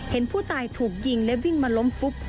เห็นผู้ตายถูกยิงและวิ่งมาล้มฟุบ